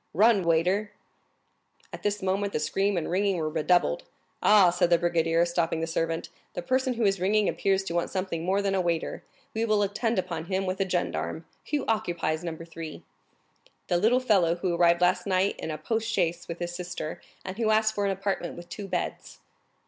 "Run, waiter!" At this moment the screams and ringing were redoubled. "Aha!" said the brigadier, stopping the servant, "the person who is ringing appears to want something more than a waiter; we will attend upon him with a gendarme. Who occupies Number 3?" "The little fellow who arrived last night in a post chaise with his sister, and who asked for an apartment with two beds."